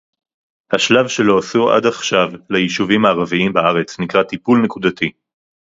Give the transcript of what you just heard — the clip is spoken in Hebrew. השלב שלא עשו עד עכשיו ליישובים הערביים בארץ נקרא טיפול נקודתי